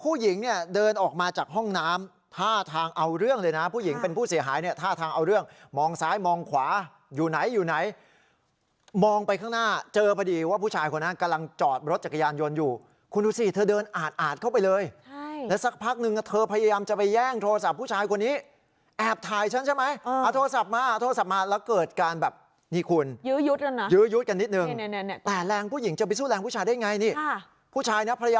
ผู้หญิงเนี่ยเดินออกมาจากห้องน้ำท่าทางเอาเรื่องเลยนะผู้หญิงเป็นผู้เสียหายเนี่ยท่าทางเอาเรื่องมองซ้ายมองขวาอยู่ไหนอยู่ไหนมองไปข้างหน้าเจอพอดีว่าผู้ชายคนนั้นกำลังจอดรถจักรยานยนต์อยู่คุณดูสิเธอเดินอาดอาดเข้าไปเลยใช่แล้วสักพักนึงเธอพยายามจะไปแย่งโทรศัพท์ผู้ชายคนนี้แอบถ่ายฉันใช่ไหมเอาโทรศั